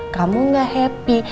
kamu gak happy